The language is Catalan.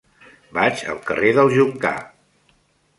Vaig al carrer del Joncar.